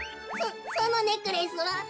そそのネックレスは？